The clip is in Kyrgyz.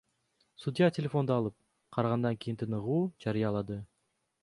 Судья телефонду алып, карагандан кийин тыныгуу жарыялады.